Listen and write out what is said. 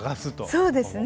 そうですね。